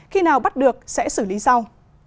khi nào bắt được sẽ xử lý sau